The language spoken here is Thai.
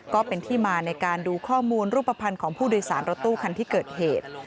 ก็เป็นที่มาในการดูข้อมูลรูปภัณฑ์ของผู้โดยสารรถตู้คันที่เกิดเหตุ